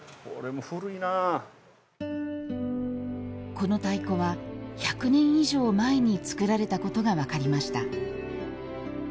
この太鼓は、１００年以上前に作られたことが分かりました。